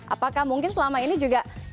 apakah mungkin selama ini juga